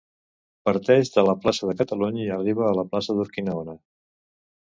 Parteix de la plaça de Catalunya i arriba a la plaça d'Urquinaona.